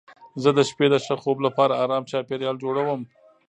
زه د شپې د ښه خوب لپاره ارام چاپېریال جوړوم.